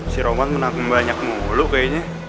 si roman menang banyak mulu kayaknya